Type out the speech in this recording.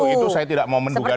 itu saya tidak mau menduga